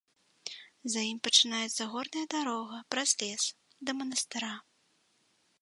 За ім пачынаецца горная дарога праз лес, да манастыра.